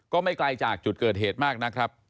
ก็ไม่ไกลจากจุดเกิดเหตุมากนะครับ